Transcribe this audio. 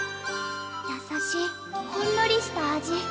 やさしいほんのりした味。